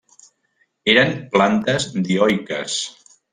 Eren plantes dioiques.